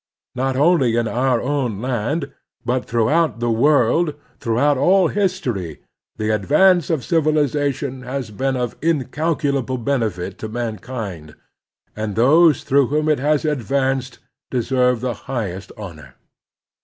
Not only in our own land, but throughout the world, throughout all history, the advance of civilization has been of incalculable benefit to mankind, and those through whom it has advanced deserve the highest honor.